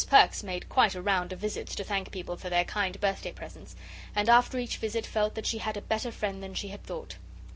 Perks made quite a round of visits to thank people for their kind birthday presents, and after each visit felt that she had a better friend than she had thought.